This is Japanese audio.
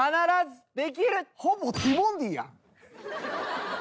ほぼティモンディや。